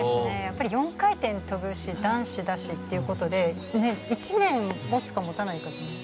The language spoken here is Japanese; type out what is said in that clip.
４回転跳ぶし男子だしということで１年持つか持たないか。